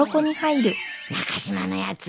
中島のやつ